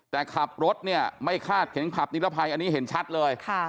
แต่ขับรถเนี่ยไม่คาดเข็มขัดนิรภัยอันนี้เห็นชัดเลย